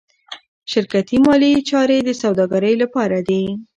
شرکتي مالي چارې د سوداګرۍ لپاره دي.